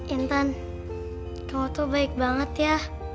intan kamu tuh baik banget ya